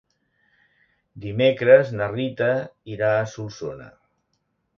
Dimecres na Rita irà a Solsona.